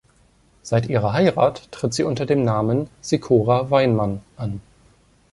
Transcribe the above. Seit ihrer Heirat tritt sie unter dem Namen "Sikora-Weinmann" an.